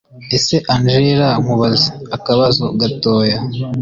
ese angella nkubaze akabazo gatoya